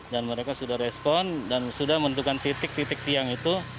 dan mereka sudah respon dan sudah menentukan titik titik tiang itu